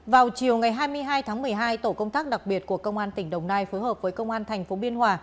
vào chiều ngày hai mươi hai tháng một mươi hai tổ công tác đặc biệt của công an tỉnh đồng nai phối hợp với công an tp biên hòa